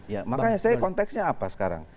ya makanya saya konteksnya apa sekarang